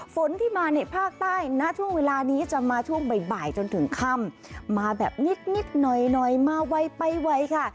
ฝนที่มาในภาคใต้ณช่วงเวลานี้จะมาช่วงบ่ายจนถึงค่ำมาแบบนิดหน่อยหน่อยมาไวไปไวค่ะ